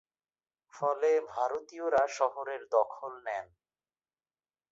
ফলে ভারতীয়রা শহরের দখল নেন।